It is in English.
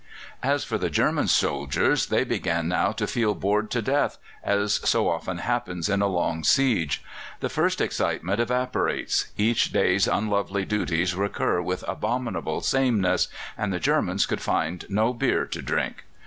As for the German soldiers, they began now to feel bored to death, as so often happens in a long siege. The first excitement evaporates; each day's unlovely duties recur with abominable sameness and the Germans could find no beer to drink.